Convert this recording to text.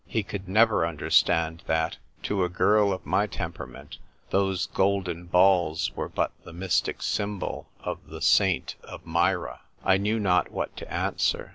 He could never understand that, to a girl of my temperament, those golden balls were but the mystic symbol of the saint of Myra. I knew not what to answer.